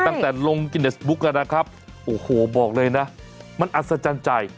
ตั้งแต่ลงกินเนสบุ๊กกันนะครับโอ้โหบอกเลยนะมันอัศจรรย์ใจ